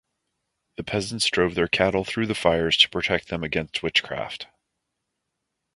The peasants drove their cattle through the fires to protect them against witchcraft.